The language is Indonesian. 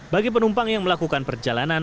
bagi penumpang yang melakukan perjalanan